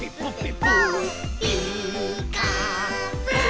「ピーカーブ！」